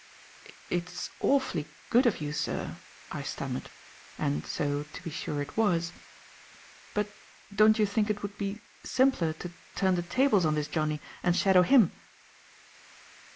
"It's awfully good of you, sir," I stammered and so, to be sure, it was "but don't you think it would be simpler to turn the tables on this Johnnie and shadow him?"